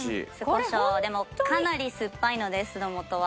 でもかなり酸っぱいので酢の素は。